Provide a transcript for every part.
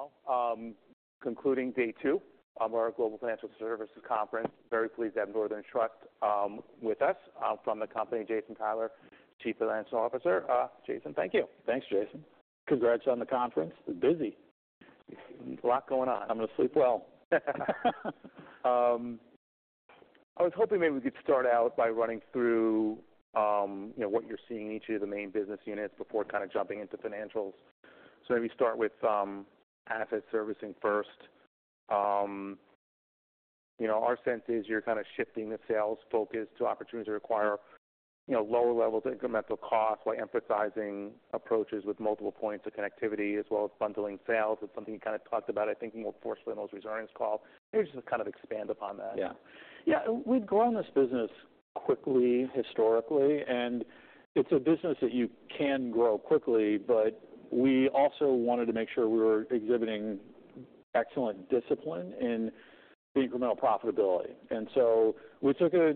...Thank you all. Concluding day two of our Global Financial Services Conference. Very pleased to have Northern Trust with us. From the company, Jason Tyler, Chief Financial Officer. Jason, thank you. Thanks, Jason. Congrats on the conference. Busy. A lot going on. I'm gonna sleep well. I was hoping maybe we could start out by running through, you know, what you're seeing in each of the main business units before kind of jumping into financials. So maybe start with asset servicing first. You know, our sense is you're kind of shifting the sales focus to opportunities that require, you know, lower levels of incremental cost by emphasizing approaches with multiple points of connectivity, as well as bundling sales. It's something you kind of talked about, I think, more forcefully in those earnings calls. Maybe just kind of expand upon that. Yeah. Yeah, we've grown this business quickly, historically, and it's a business that you can grow quickly, but we also wanted to make sure we were exhibiting excellent discipline in the incremental profitability. And so we took a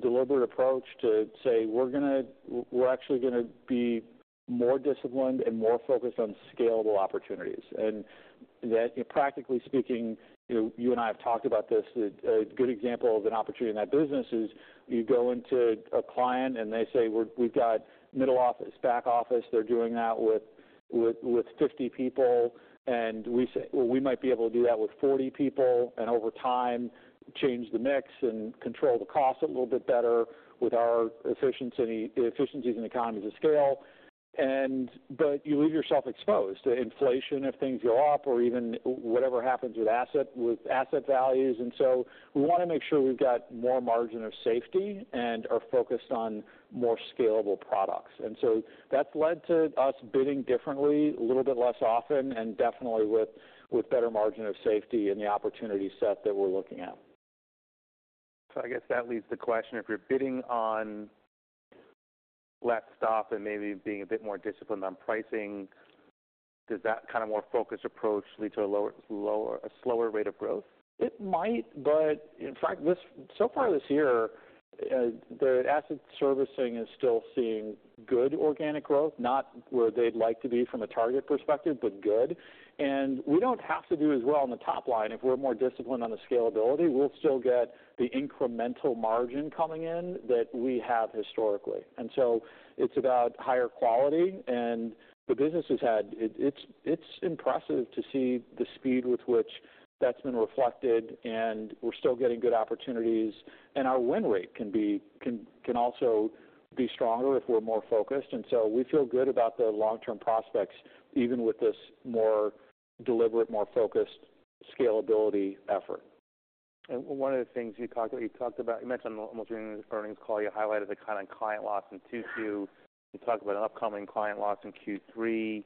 deliberate approach to say, we're actually gonna be more disciplined and more focused on scalable opportunities. And that, practically speaking, you know, you and I have talked about this. A good example of an opportunity in that business is you go into a client, and they say, "We've got middle office, back office." They're doing that with 50 people, and we say, "Well, we might be able to do that with 40 people, and over time, change the mix and control the cost a little bit better with our efficiencies and economies of scale," but you leave yourself exposed to inflation if things go up or even whatever happens with asset values, so we want to make sure we've got more margin of safety and are focused on more scalable products. And so that's led to us bidding differently, a little bit less often, and definitely with better margin of safety in the opportunity set that we're looking at. So I guess that leads to the question, if you're bidding on less stuff and maybe being a bit more disciplined on pricing, does that kind of more focused approach lead to a lower—a slower rate of growth? It might, but in fact, so far this year, the asset servicing is still seeing good organic growth, not where they'd like to be from a target perspective, but good. We don't have to do as well on the top line. If we're more disciplined on the scalability, we'll still get the incremental margin coming in that we have historically. It's about higher quality, and the business has had. It's impressive to see the speed with which that's been reflected, and we're still getting good opportunities, and our win rate can also be stronger if we're more focused. We feel good about the long-term prospects, even with this more deliberate, more focused scalability effort. One of the things you talked about, you mentioned almost during the earnings call, you highlighted the kind of client loss in Q2. You talked about an upcoming client loss in Q3.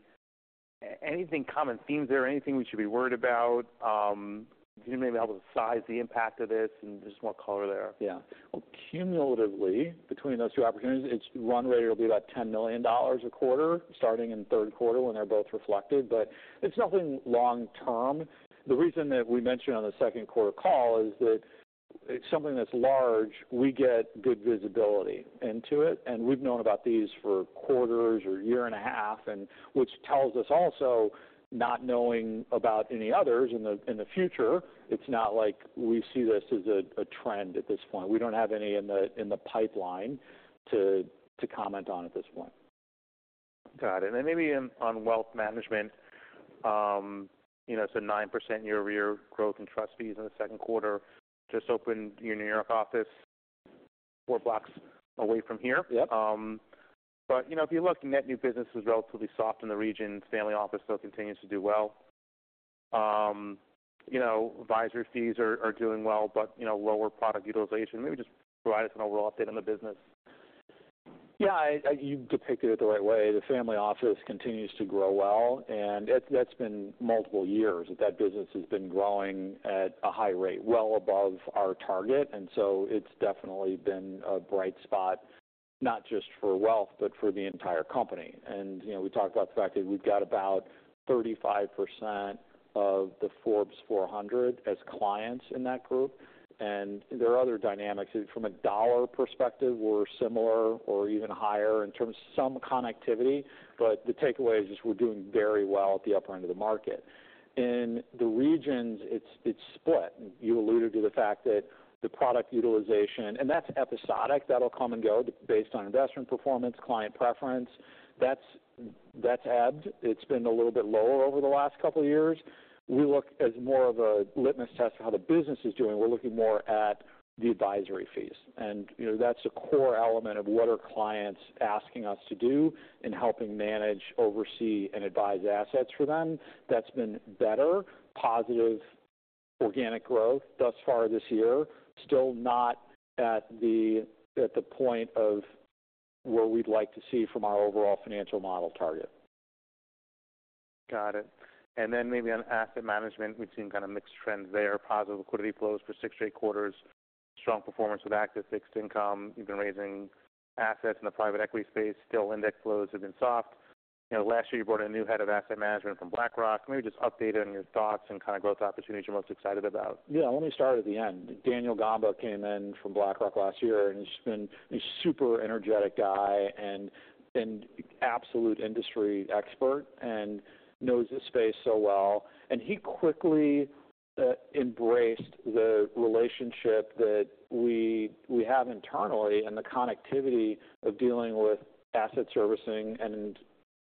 Anything common themes there? Anything we should be worried about? You may be able to size the impact of this, and just more color there. Yeah. Well, cumulatively, between those two opportunities, it's run rate. It'll be about $10 million a quarter, starting in the third quarter when they're both reflected, but it's nothing long term. The reason that we mentioned on the second quarter call is that it's something that's large, we get good visibility into it, and we've known about these for quarters or a year and a half, and which tells us also, not knowing about any others in the future, it's not like we see this as a trend at this point. We don't have any in the pipeline to comment on at this point. Got it. And then maybe on wealth management, you know, so 9% year-over-year growth in trust fees in the second quarter, just opened your New York office four blocks away from here. Yep. But, you know, if you look, net new business was relatively soft in the region. Family office still continues to do well. You know, advisory fees are doing well, but, you know, lower product utilization. Maybe just provide us an overall update on the business. Yeah, you depicted it the right way. The family office continues to grow well, and that's been multiple years that business has been growing at a high rate, well above our target. So it's definitely been a bright spot, not just for wealth, but for the entire company. You know, we talked about the fact that we've got about 35% of the Forbes 400 as clients in that group. And there are other dynamics. From a dollar perspective, we're similar or even higher in terms of some connectivity, but the takeaway is, we're doing very well at the upper end of the market. In the regions, it's split. You alluded to the fact that the product utilization, and that's episodic, that'll come and go based on investment performance, client preference. That's ebbed. It's been a little bit lower over the last couple of years. We look at it as more of a litmus test for how the business is doing. We're looking more at the advisory fees, and, you know, that's a core element of what our clients are asking us to do in helping manage, oversee, and advise assets for them. That's been better, positive organic growth thus far this year. Still not at the point where we'd like to see from our overall financial model target. Got it. And then maybe on asset management, we've seen kind of mixed trends there. Positive liquidity flows for six straight quarters, strong performance with active fixed income. You've been raising assets in the private equity space. Still, index flows have been soft. You know, last year, you brought a new head of asset management from BlackRock. Maybe just update on your thoughts and kind of growth opportunities you're most excited about. Yeah, let me start at the end. Daniel Gamba came in from BlackRock last year, and he's been a super energetic guy and absolute industry expert and knows the space so well. And he quickly embraced the relationship that we have internally and the connectivity of dealing with asset servicing and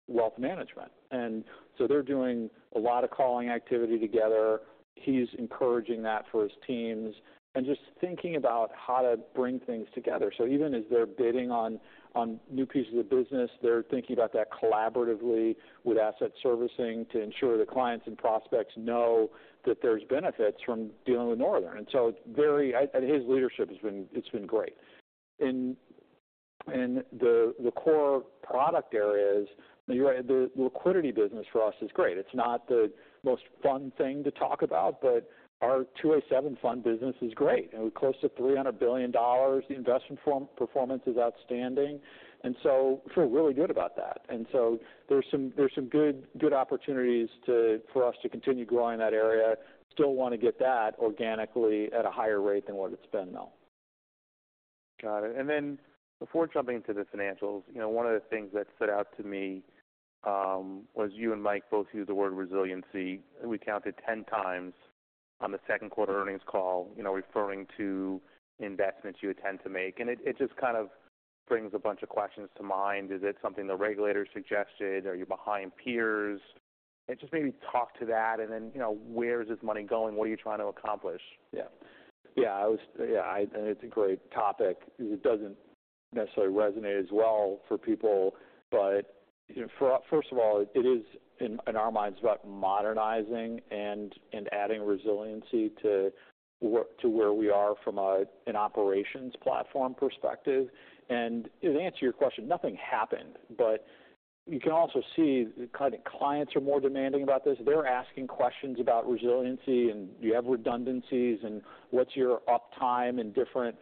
wealth management. And so they're doing a lot of calling activity together. He's encouraging that for his teams and just thinking about how to bring things together. So even as they're bidding on new pieces of business, they're thinking about that collaboratively with asset servicing to ensure the clients and prospects know that there's benefits from dealing with Northern. And so very, and his leadership has been, it's been great. In the core product areas, you're right, the liquidity business for us is great. It's not the most fun thing to talk about, but our 2a-7 fund business is great, and we're close to $300 billion. The investment performance is outstanding, and so we feel really good about that. And so there's some good opportunities for us to continue growing that area. Still want to get that organically at a higher rate than what it's been, though. Got it. And then before jumping into the financials, you know, one of the things that stood out to me was you and Mike both used the word resiliency. We counted 10 times on the second quarter earnings call, you know, referring to investments you intend to make. And it just kind of brings a bunch of questions to mind. Is it something the regulator suggested? Are you behind peers? And just maybe talk to that, and then, you know, where is this money going? What are you trying to accomplish? Yeah, and it's a great topic. It doesn't necessarily resonate as well for people, but for us, first of all, it is, in our minds, about modernizing and adding resiliency to where we are from an operations platform perspective. And to answer your question, nothing happened, but you can also see the kind of clients are more demanding about this. They're asking questions about resiliency, and do you have redundancies, and what's your uptime in different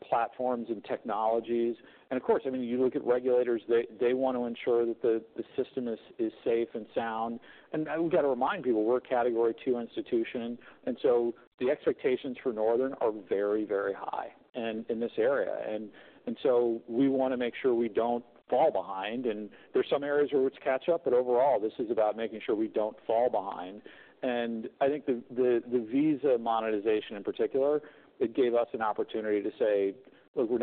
platforms and technologies? And of course, I mean, you look at regulators, they want to ensure that the system is safe and sound. And we've got to remind people, we're a Category Two institution, and so the expectations for Northern are very, very high in this area. So we want to make sure we don't fall behind. There are some areas where we need to catch up, but overall, this is about making sure we don't fall behind. I think the Visa monetization in particular gave us an opportunity to say, "Look, we're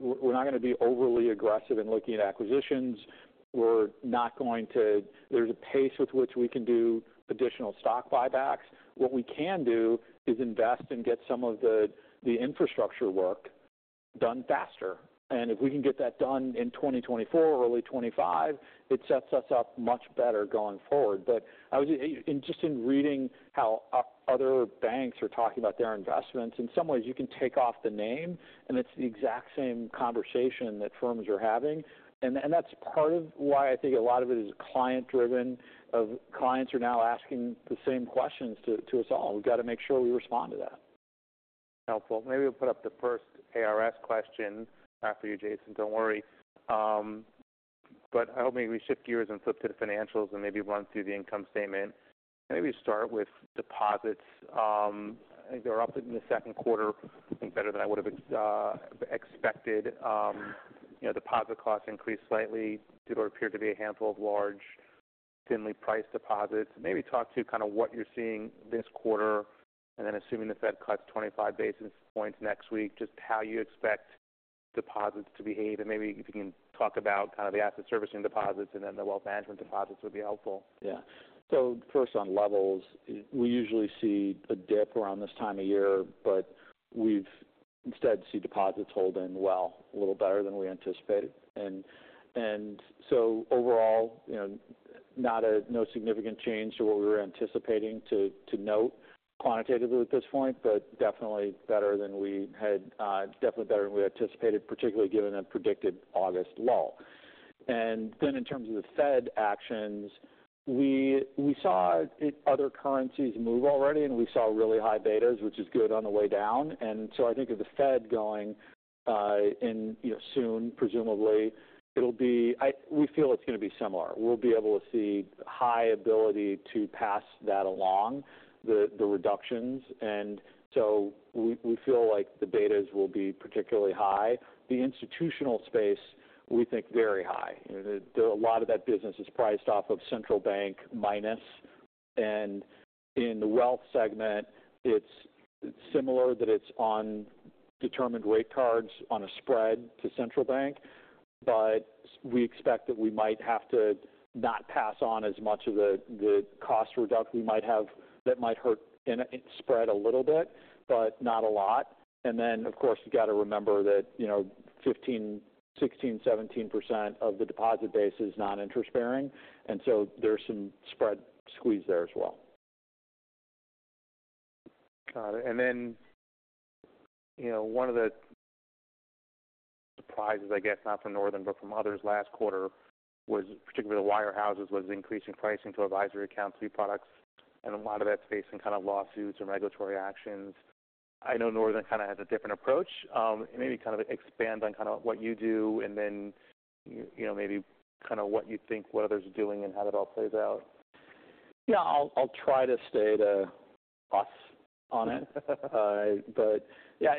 not gonna be overly aggressive in looking at acquisitions. We're not going to. There's a pace with which we can do additional stock buybacks." What we can do is invest and get some of the infrastructure work done faster. If we can get that done in 2024 or early 2025, it sets us up much better going forward. But I was just in reading how other banks are talking about their investments. In some ways, you can take off the name, and it's the exact same conversation that firms are having. And that's part of why I think a lot of it is client-driven. Our clients are now asking the same questions to us all. We've got to make sure we respond to that. Helpful. Maybe we'll put up the first ARS question after you, Jason. Don't worry, but I hope maybe we shift gears and flip to the financials and maybe run through the income statement. Maybe start with deposits. I think they're up in the second quarter, and better than I would have expected. You know, deposit costs increased slightly. Appeared to be a handful of large, thinly priced deposits. Maybe talk to kind of what you're seeing this quarter, and then assuming the Fed cuts 25 basis points next week, just how you expect deposits to behave, and maybe if you can talk about kind of the asset servicing deposits and then the wealth management deposits would be helpful. Yeah. So first, on levels, we usually see a dip around this time of year, but we've instead seen deposits holding well, a little better than we anticipated. And so overall, you know, no significant change to what we were anticipating to note quantitatively at this point, but definitely better than we had definitely better than we anticipated, particularly given a predicted August lull. And then in terms of the Fed actions, we saw other currencies move already, and we saw really high betas, which is good on the way down. And so I think if the Fed going in, you know, soon, presumably, it'll be we feel it's going to be similar. We'll be able to see high ability to pass that along, the reductions. And so we feel like the betas will be particularly high. The institutional space, we think, very high. You know, a lot of that business is priced off of central bank minus, and in the wealth segment, it's similar, that it's on determined rate cards on a spread to central bank. But we expect that we might have to not pass on as much of the cost reduction we might have, that might hurt in spread a little bit, but not a lot. And then, of course, you've got to remember that, you know, 15%, 16%, 17% of the deposit base is non-interest bearing, and so there's some spread squeeze there as well. Got it. And then, you know, one of the surprises, I guess, not from Northern, but from others last quarter, was particularly the wirehouses, increasing pricing to advisory account fee products, and a lot of that's facing kind of lawsuits and regulatory actions. I know Northern kind of has a different approach. Maybe kind of expand on kind of what you do and then, you know, maybe kind of what you think, what others are doing and how that all plays out. Yeah, I'll try to stay on top of it. But yeah,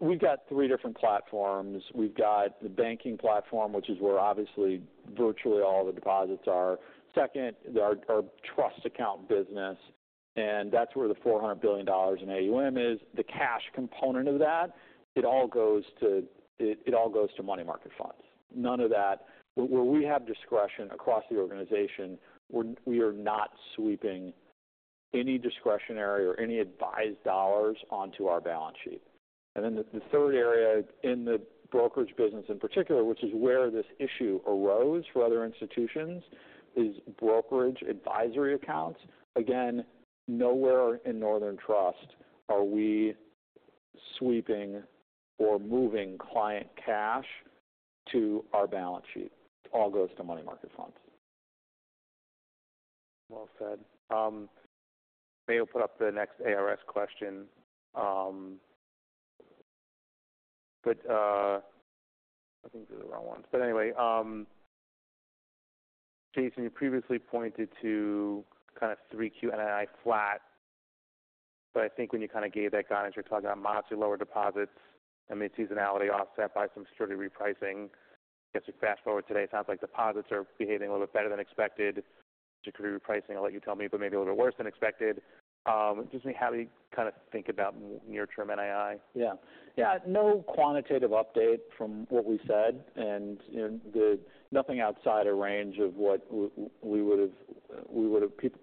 we've got three different platforms. We've got the banking platform, which is where obviously virtually all the deposits are. Second, our trust account business, and that's where the $400 billion in AUM is. The cash component of that, it all goes to money market funds. None of that. Where we have discretion across the organization, we are not sweeping any discretionary or any advised dollars onto our balance sheet. And then the third area in the brokerage business in particular, which is where this issue arose for other institutions, is brokerage advisory accounts. Again, nowhere in Northern Trust are we sweeping or moving client cash to our balance sheet. It all goes to money market funds. Well said. May I put up the next ARS question? I think these are the wrong ones. Anyway, Jason, you previously pointed to kind of three NII flat, but I think when you kind of gave that guidance, you were talking about much lower deposits and mid seasonality offset by some security repricing. As we fast forward today, it sounds like deposits are behaving a little bit better than expected. Security repricing, I'll let you tell me, but maybe a little bit worse than expected. Just how do you kind of think about near-term NII? Yeah. No quantitative update from what we said, and there's nothing outside a range of what we would've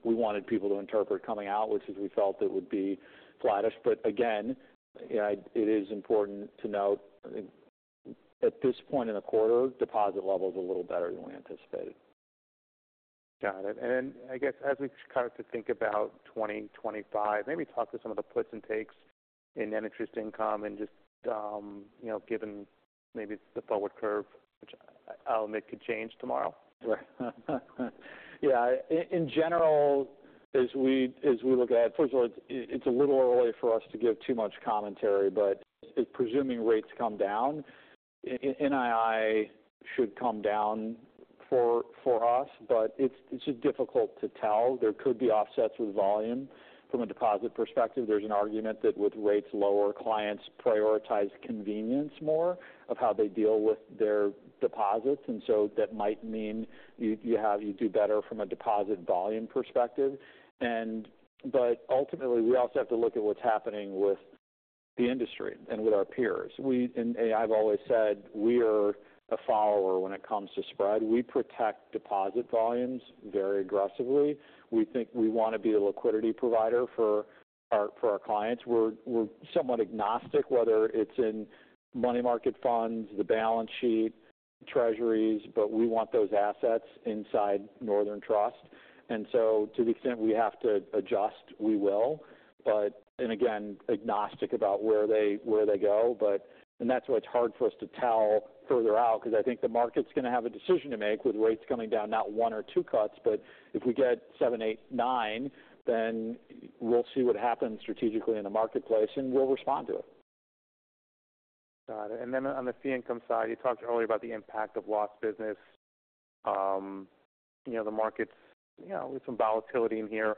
wanted people to interpret coming out, which is we felt it would be flattish. But again, it is important to note, at this point in a quarter, deposit level is a little better than we anticipated. Got it. And I guess as we kind of to think about 2025, maybe talk to some of the puts and takes in net interest income and just, you know, given maybe the forward curve, which I'll admit, could change tomorrow. Right. Yeah. In general, as we look at it, first of all, it's a little early for us to give too much commentary, but presuming rates come down, NII should come down for us, but it's just difficult to tell. There could be offsets with volume. From a deposit perspective, there's an argument that with rates lower, clients prioritize convenience more of how they deal with their deposits, and so that might mean you do better from a deposit volume perspective, but ultimately, we also have to look at what's happening with the industry and with our peers, and I've always said we are a follower when it comes to spread. We protect deposit volumes very aggressively. We think we want to be a liquidity provider for our clients. We're somewhat agnostic, whether it's in money market funds, the balance sheet, treasuries, but we want those assets inside Northern Trust, and so to the extent we have to adjust, we will. But, and again, agnostic about where they go. But, and that's why it's hard for us to tell further out, because I think the market's going to have a decision to make with rates coming down, not one or two cuts, but if we get seven, eight, nine, then we'll see what happens strategically in the marketplace, and we'll respond to it. Got it. And then on the fee income side, you talked earlier about the impact of lost business. You know, the markets, you know, with some volatility in here,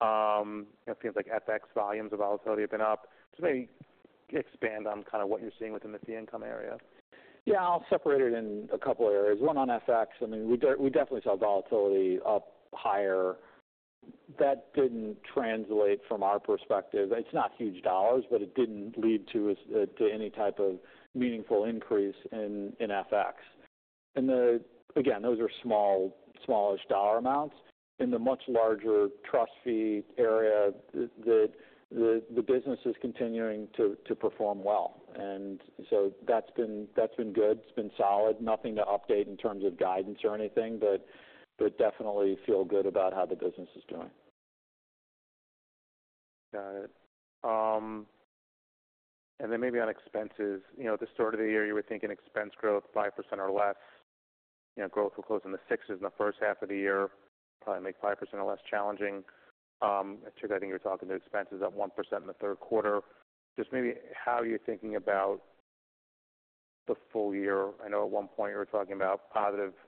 it seems like FX volumes of volatility have been up. Just maybe expand on kind of what you're seeing within the fee income area. Yeah, I'll separate it in a couple of areas. One, on FX, I mean, we definitely saw volatility up higher. That didn't translate from our perspective. It's not huge dollars, but it didn't lead to us to any type of meaningful increase in FX. And again, those are small, smallish dollar amounts. In the much larger trust fee area, the business is continuing to perform well, and so that's been good. It's been solid. Nothing to update in terms of guidance or anything, but definitely feel good about how the business is doing. Got it, and then maybe on expenses. You know, the start of the year, you were thinking expense growth 5% or less. You know, growth will close in the 6s in the first half of the year, probably make 5% or less challenging. I think you're talking about expenses up 1% in the third quarter. Just maybe how you're thinking about the full year. I know at one point you were talking about positive fee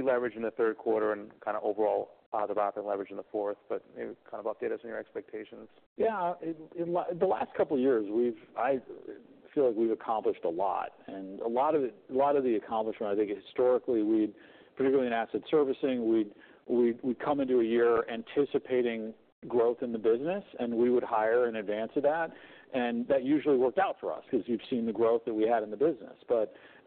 leverage in the third quarter and kind of overall positive leverage in the fourth, but maybe kind of update us on your expectations. Yeah. In the last couple of years, we've. I feel like we've accomplished a lot, and a lot of it, a lot of the accomplishment, I think historically, we've particularly in asset servicing, we come into a year anticipating growth in the business, and we would hire in advance of that. And that usually worked out for us because you've seen the growth that we had in the business.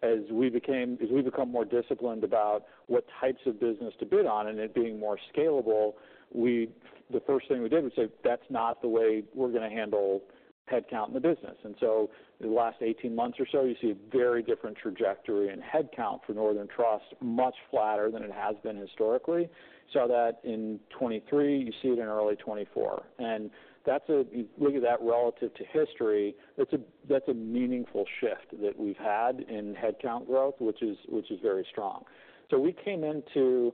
But as we became, as we become more disciplined about what types of business to bid on and it being more scalable, we, the first thing we did was say, "That's not the way we're going to handle headcount in the business." And so the last 18 months or so, you see a very different trajectory in headcount for Northern Trust, much flatter than it has been historically. So that in 2023, you see it in early 2024. And that's—you look at that relative to history, it's a, that's a meaningful shift that we've had in headcount growth, which is very strong. So we came into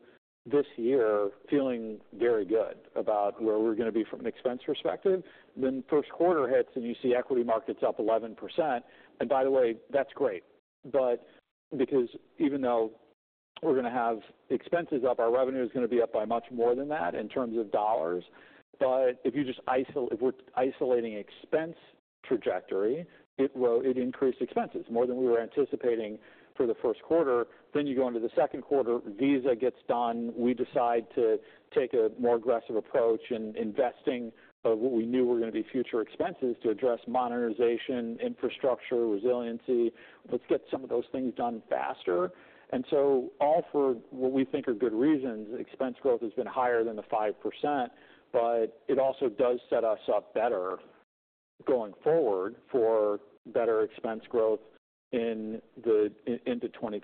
this year feeling very good about where we're going to be from an expense perspective. Then first quarter hits, and you see equity markets up 11%. And by the way, that's great, but because even though we're gonna have expenses up. Our revenue is gonna be up by much more than that in terms of dollars. But if you just—if we're isolating expense trajectory, it—it increased expenses more than we were anticipating for the first quarter. Then you go into the second quarter, Visa gets done. We decide to take a more aggressive approach in investing of what we knew were gonna be future expenses to address modernization, infrastructure, resiliency. Let's get some of those things done faster, and so all for what we think are good reasons, expense growth has been higher than the 5%, but it also does set us up better going forward for better expense growth into 2025.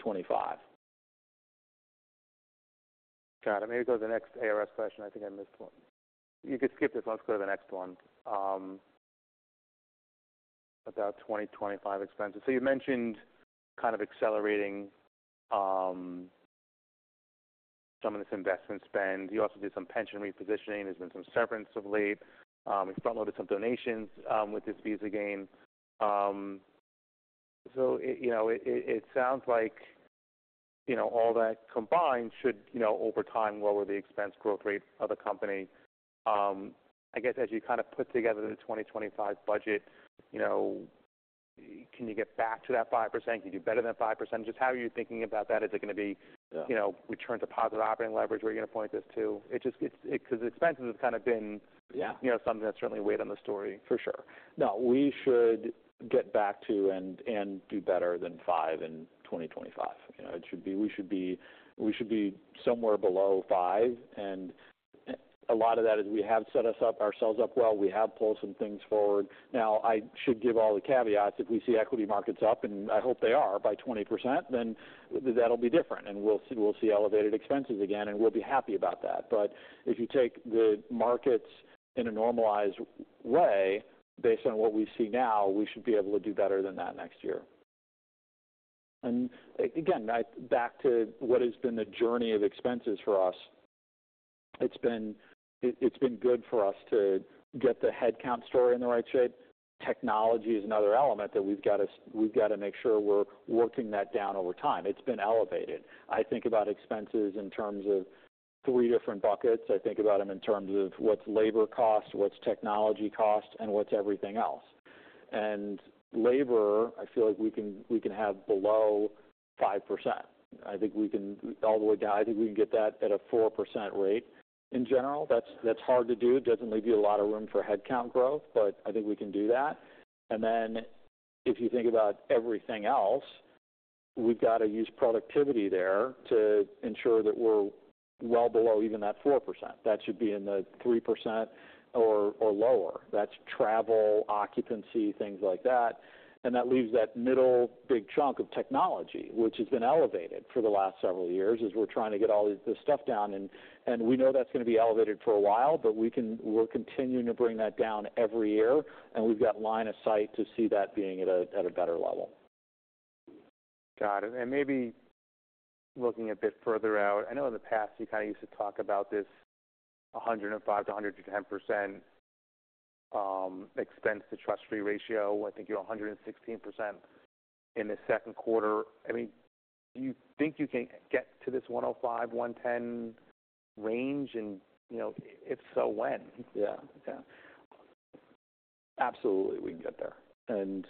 Got it. Maybe go to the next ARS question. I think I missed one. You could skip this one. Let's go to the next one, about 2025 expenses. So you mentioned kind of accelerating some of this investment spend. You also did some pension repositioning. There's been some severance of late. You front-loaded some donations with this Visa gain. So it, you know, it sounds like, you know, all that combined should, you know, over time, lower the expense growth rate of the company. I guess, as you kind of put together the 2025 budget, you know, can you get back to that 5%? Can you do better than 5%? Just how are you thinking about that? Is it gonna be- Yeah... you know, return to positive operating leverage, where you're going to point this to? It just, it's because expenses have kind of been- Yeah... you know, something that's certainly weighed on the story, for sure. No, we should get back to and do better than five in 2025. You know, it should be we should be somewhere below five, and a lot of that is we have set ourselves up well. We have pulled some things forward. Now, I should give all the caveats. If we see equity markets up, and I hope they are, by 20%, then that'll be different, and we'll see elevated expenses again, and we'll be happy about that. But if you take the markets in a normalized way, based on what we see now, we should be able to do better than that next year. And again, back to what has been the journey of expenses for us, it's been good for us to get the headcount story in the right shape. Technology is another element that we've got to, we've got to make sure we're working that down over time. It's been elevated. I think about expenses in terms of three different buckets. I think about them in terms of what's labor cost, what's technology cost, and what's everything else. And labor, I feel like we can, we can have below 5%. I think we can all the way down. I think we can get that at a 4% rate. In general, that's, that's hard to do. It doesn't leave you a lot of room for headcount growth, but I think we can do that. And then if you think about everything else, we've got to use productivity there to ensure that we're well below even that 4%. That should be in the 3% or, or lower. That's travel, occupancy, things like that. That leaves that middle big chunk of technology, which has been elevated for the last several years as we're trying to get all this stuff down, and we know that's going to be elevated for a while, but we're continuing to bring that down every year, and we've got line of sight to see that being at a better level. Got it. And maybe looking a bit further out, I know in the past you kind of used to talk about this 105%-110% expense to trust fee ratio. I think you're 116% in the second quarter. I mean, do you think you can get to this 105%-110% range? And, you know, if so, when? Yeah. Yeah. Absolutely, we can get there. And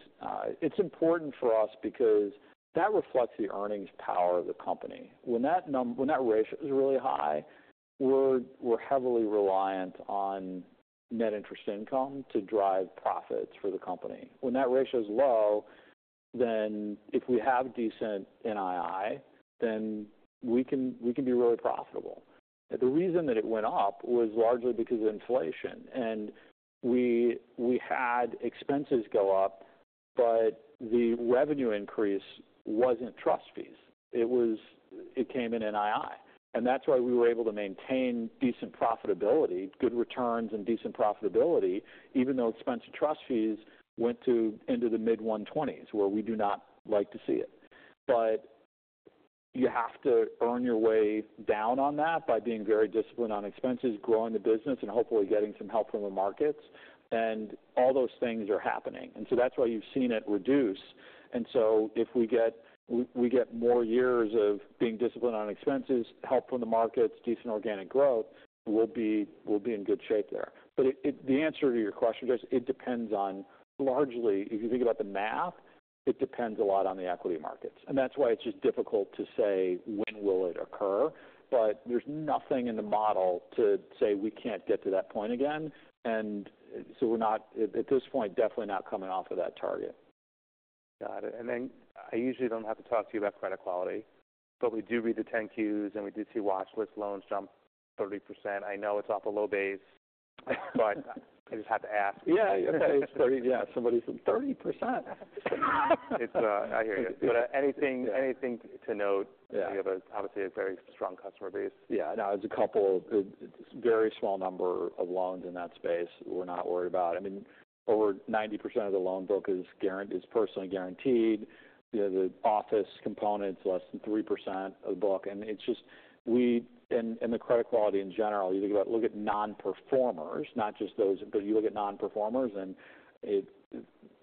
it's important for us because that reflects the earnings power of the company. When that ratio is really high, we're heavily reliant on net interest income to drive profits for the company. When that ratio is low, then if we have decent NII, then we can be really profitable. The reason that it went up was largely because of inflation, and we had expenses go up, but the revenue increase wasn't trust fees. It was NII, and that's why we were able to maintain decent profitability, good returns and decent profitability, even though expenses and trust fees went to the mid-120s, where we do not like to see it. But you have to earn your way down on that by being very disciplined on expenses, growing the business, and hopefully getting some help from the markets. And all those things are happening, and so that's why you've seen it reduce. And so if we get more years of being disciplined on expenses, help from the markets, decent organic growth, we'll be in good shape there. But it. The answer to your question is, it depends on largely, if you think about the math, it depends a lot on the equity markets. And that's why it's just difficult to say when will it occur, but there's nothing in the model to say we can't get to that point again. And so we're not, at this point, definitely not coming off of that target. Got it, and then I usually don't have to talk to you about credit quality, but we do read the 10-Qs, and we do see watchlist loans jump 30%. I know it's off a low base, but I just had to ask. Yeah. Yeah. Somebody said, "30%?... It's, I hear you. But anything, anything to note? Yeah. You have, obviously, a very strong customer base. Yeah. No, there's a couple, a very small number of loans in that space we're not worried about. I mean, over 90% of the loan book is guaranteed. The office component's less than 3% of the book, and the credit quality in general, you think about, look at nonperformers, not just those, but you look at nonperformers, and it's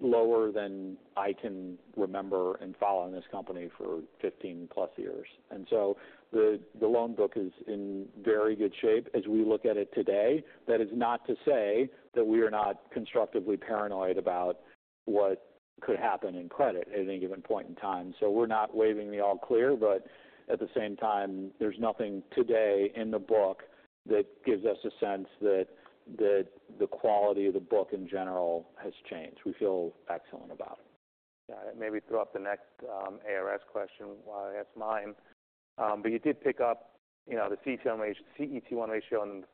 lower than I can remember in following this company for 15+ years. And so the loan book is in very good shape as we look at it today. That is not to say that we are not constructively paranoid about what could happen in credit at any given point in time. So we're not waving the all clear, but at the same time, there's nothing today in the book that gives us a sense that the quality of the book in general has changed. We feel excellent about it. Yeah. Maybe throw up the next ARS question while I ask mine. But you did pick up, you know, the CET1 ratio, CET1 ratio in the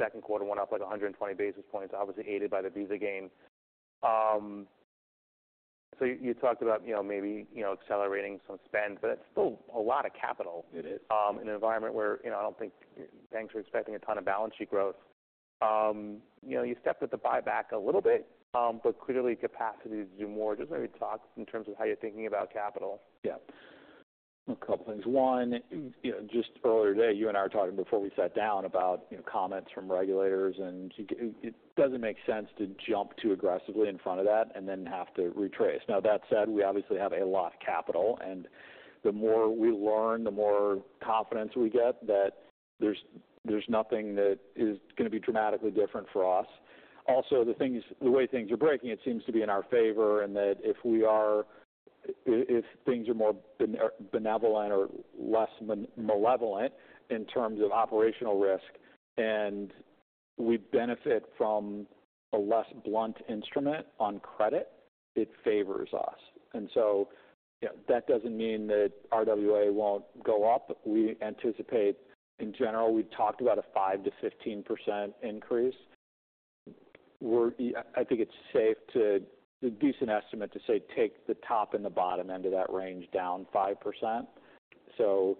second quarter, went up, like, 120 basis points, obviously aided by the Visa gain. So you talked about, you know, maybe, you know, accelerating some spend, but that's still a lot of capital- It is. in an environment where, you know, I don't think banks are expecting a ton of balance sheet growth. You know, you stepped up the buyback a little bit, but clearly capacity to do more. Just maybe talk in terms of how you're thinking about capital. Yeah. A couple things. One, you know, just earlier today, you and I were talking before we sat down about, you know, comments from regulators, and you see it doesn't make sense to jump too aggressively in front of that and then have to retrace. Now, that said, we obviously have a lot of capital, and the more we learn, the more confidence we get that there's nothing that is going to be dramatically different for us. Also, the way things are breaking, it seems to be in our favor, and that if things are more benevolent or less malevolent in terms of operational risk, and we benefit from a less blunt instrument on credit, it favors us. And so, you know, that doesn't mean that RWA won't go up. We anticipate, in general, we talked about a 5%-15% increase. We're. I think it's safe to do a decent estimate to say, take the top and the bottom end of that range down 5%. So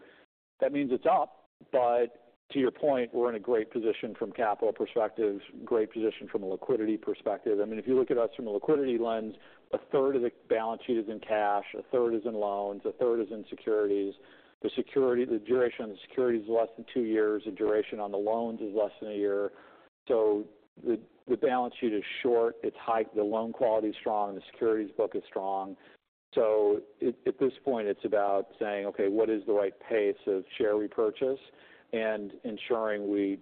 that means it's up, but to your point, we're in a great position from capital perspectives, great position from a liquidity perspective. I mean, if you look at us from a liquidity lens, a third of the balance sheet is in cash, a third is in loans, a third is in securities. The security, the duration of the security is less than two years. The duration on the loans is less than a year. So the balance sheet is short, it's high, the loan quality is strong, and the securities book is strong. So at this point, it's about saying, "Okay, what is the right pace of share repurchase?" And ensuring we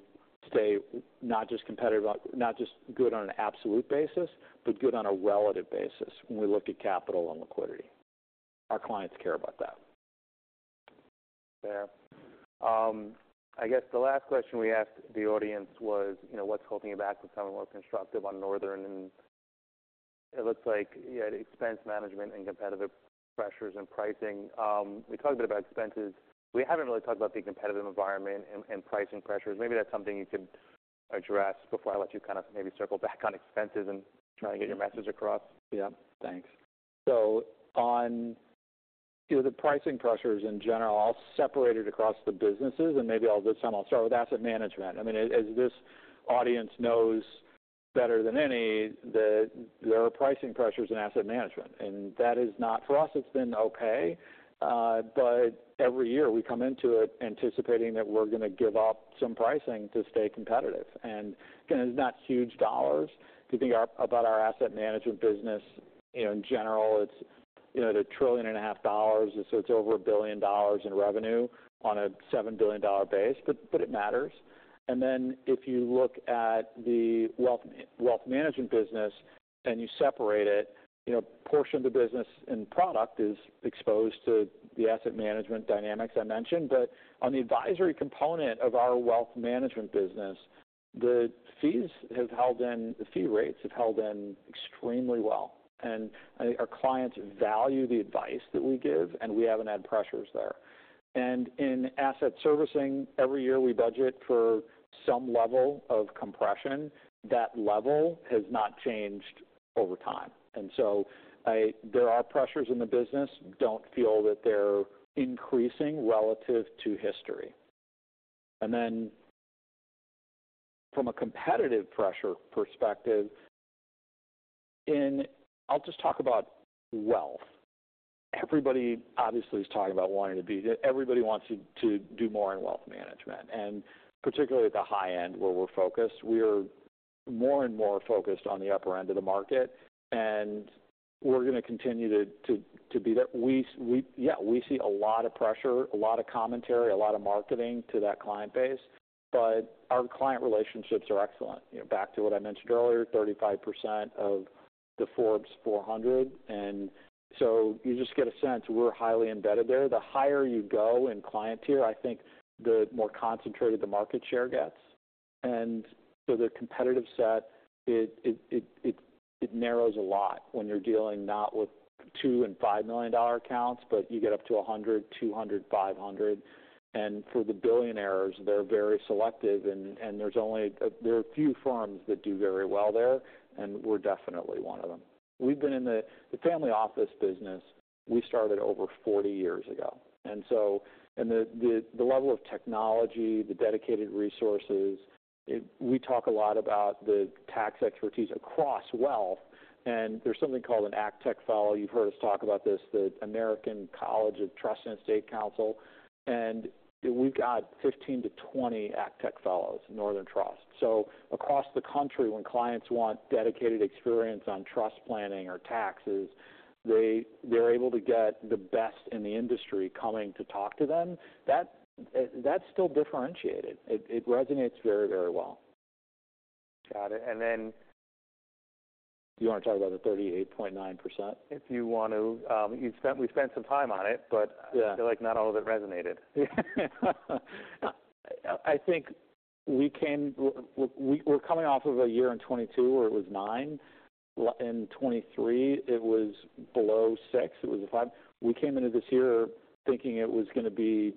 stay not just competitive, not just good on an absolute basis, but good on a relative basis when we look at capital and liquidity. Our clients care about that. Yeah. I guess the last question we asked the audience was, you know, what's holding you back from sounding more constructive on Northern? And it looks like you had expense management and competitive pressures and pricing. We talked a bit about expenses. We haven't really talked about the competitive environment and pricing pressures. Maybe that's something you could address before I let you kind of maybe circle back on expenses and try and get your message across. Yeah. Thanks. So, on, you know, the pricing pressures in general, I'll separate it across the businesses, and maybe I'll do some. I'll start with asset management. I mean, as this audience knows better than any, there are pricing pressures in asset management, and that is not... For us, it's been okay. But every year, we come into it anticipating that we're going to give up some pricing to stay competitive. And again, it's not huge dollars. If you think about our asset management business, you know, in general, it's, you know, at $1.5 trillion, and so it's over $1 billion in revenue on a $7 billion base, but it matters. And then, if you look at the wealth management business and you separate it, you know, a portion of the business and product is exposed to the asset management dynamics I mentioned. But on the advisory component of our wealth management business, the fees have held in, the fee rates have held in extremely well, and I think our clients value the advice that we give, and we haven't had pressures there. And in asset servicing, every year, we budget for some level of compression. That level has not changed over time. And so I, there are pressures in the business. I don't feel that they're increasing relative to history. And then from a competitive pressure perspective, and I'll just talk about wealth. Everybody obviously is talking about wanting to be. Everybody wants to do more in wealth management, and particularly at the high end, where we're focused. We are more and more focused on the upper end of the market, and we're going to continue to be there. Yeah, we see a lot of pressure, a lot of commentary, a lot of marketing to that client base, but our client relationships are excellent. You know, back to what I mentioned earlier, 35% of the Forbes 400, and so you just get a sense we're highly embedded there. The higher you go in client tier, I think the more concentrated the market share gets.... And so the competitive set, it narrows a lot when you're dealing not with $2 million and $5 million accounts, but you get up to 100, 200, 500. And for the billionaires, they're very selective and there are a few firms that do very well there, and we're definitely one of them. We've been in the family office business, we started over 40 years ago. And so, the level of technology, the dedicated resources. We talk a lot about the tax expertise across wealth, and there's something called an ACTEC Fellow. You've heard us talk about this, the American College of Trust and Estate Counsel, and we've got 15-20 ACTEC Fellows in Northern Trust. So across the country, when clients want dedicated experience on trust planning or taxes, they're able to get the best in the industry coming to talk to them. That, that's still differentiated. It, it resonates very, very well. Got it. And then- You want to talk about the 38.9%? If you want to. We've spent some time on it, but- Yeah I feel like not all of it resonated. I think we're coming off of a year in 2022, where it was nine. In 2023, it was below six. It was a five. We came into this year thinking it was going to be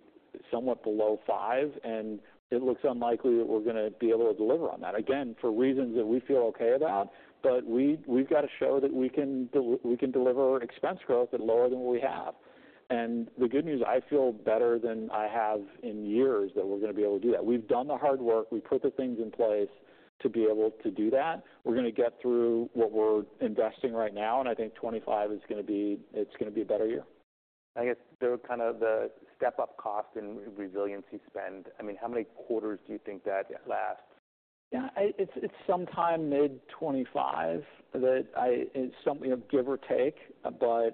somewhat below five, and it looks unlikely that we're going to be able to deliver on that. Again, for reasons that we feel okay about, but we, we've got to show that we can deliver expense growth at lower than what we have. And the good news, I feel better than I have in years that we're going to be able to do that. We've done the hard work. We put the things in place to be able to do that. We're going to get through what we're investing right now, and I think 2025 is going to be... it's going to be a better year. I guess the kind of step-up cost and resiliency spend, I mean, how many quarters do you think that lasts? Yeah, it's sometime mid-2025, give or take, but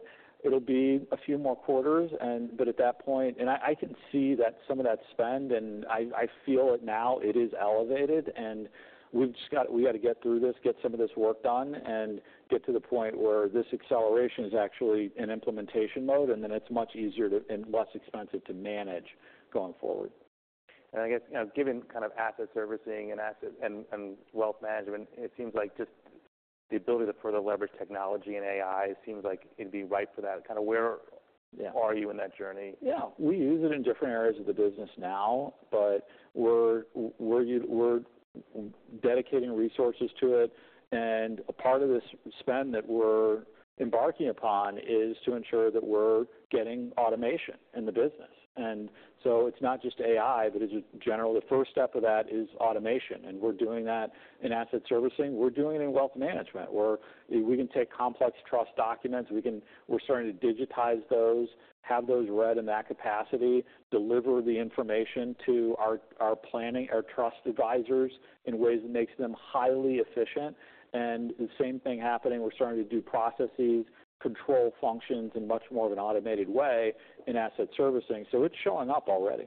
it'll be a few more quarters. But at that point, I can see that some of that spend, and I feel it now, it is elevated, and we've just got to get through this, get some of this work done, and get to the point where this acceleration is actually in implementation mode, and then it's much easier to, and less expensive to manage going forward. And I guess, you know, given kind of asset servicing, asset management, and wealth management, it seems like just the ability to further leverage technology and AI, it seems like it'd be right for that. Kind of where- Yeah Are you in that journey? Yeah. We use it in different areas of the business now, but we're dedicating resources to it. And a part of this spend that we're embarking upon is to ensure that we're getting automation in the business. And so it's not just AI, but it's general. The first step of that is automation, and we're doing that in asset servicing. We're doing it in wealth management, where we can take complex trust documents, we're starting to digitize those, have those read in that capacity, deliver the information to our planning, our trust advisors in ways that makes them highly efficient. And the same thing happening, we're starting to do processes, control functions in much more of an automated way in asset servicing. So it's showing up already.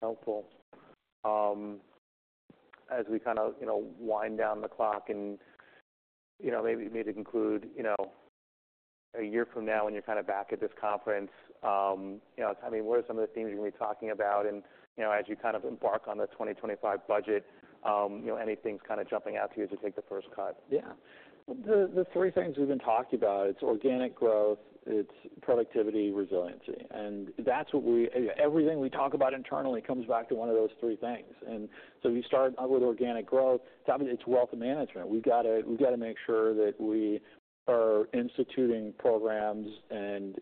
Helpful. As we kind of, you know, wind down the clock and, you know, maybe need to conclude, you know, a year from now, when you're kind of back at this conference, you know, I mean, what are some of the themes you're going to be talking about? And, you know, as you kind of embark on the 2025 budget, you know, anything kind of jumping out to you to take the first cut? Yeah. The three things we've been talking about, it's organic growth, it's productivity, resiliency. And that's what everything we talk about internally comes back to one of those three things. And so you start out with organic growth. I mean, it's wealth management. We've got to make sure that we are instituting programs and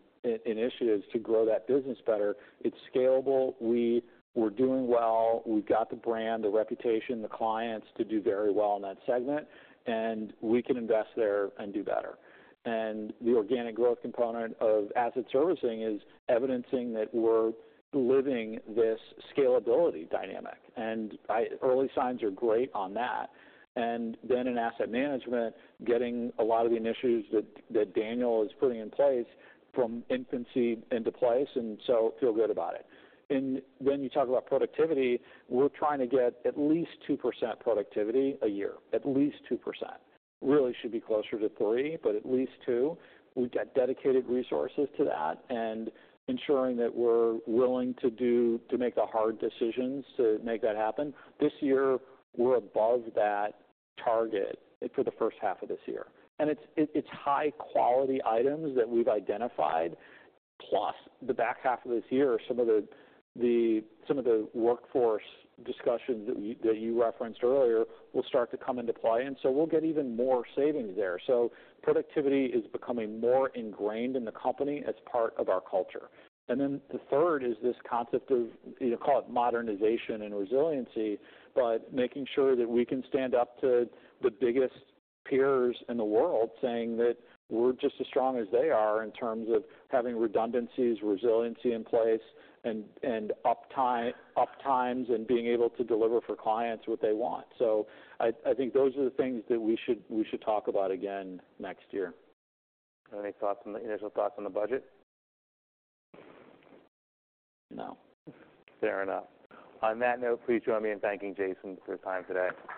initiatives to grow that business better. It's scalable. We're doing well. We've got the brand, the reputation, the clients to do very well in that segment, and we can invest there and do better. And the organic growth component of asset servicing is evidencing that we're living this scalability dynamic, and early signs are great on that. And then in asset management, getting a lot of the initiatives that Daniel is putting in place from infancy into place, and so feel good about it. When you talk about productivity, we're trying to get at least 2% productivity a year. At least 2%. Really should be closer to 3%, but at least 2%. We've got dedicated resources to that and ensuring that we're willing to do to make the hard decisions to make that happen. This year, we're above that target for the first half of this year, and it's, it's high-quality items that we've identified, plus the back half of this year, some of the, the, some of the workforce discussions that you, that you referenced earlier, will start to come into play, and so we'll get even more savings there. Productivity is becoming more ingrained in the company as part of our culture. And then the third is this concept of, call it modernization and resiliency, but making sure that we can stand up to the biggest peers in the world, saying that we're just as strong as they are in terms of having redundancies, resiliency in place and uptime, and being able to deliver for clients what they want. So I think those are the things that we should talk about again next year. Any initial thoughts on the budget? No. Fair enough. On that note, please join me in thanking Jason for his time today.